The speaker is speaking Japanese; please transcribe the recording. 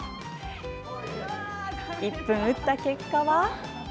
１分打った結果は？